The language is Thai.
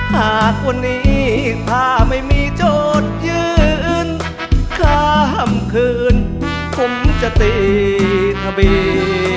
หากวันนี้ถ้าไม่มีโจทยืนข้ามคืนผมจะตีทะบี